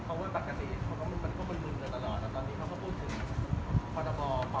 เขาว่าปกติเป็นผู้บรรวมดลืมอยู่ตลอดตอนนี้เขาก็พูดถึงพรบปลอดภัย